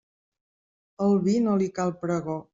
Al vi no li cal pregó.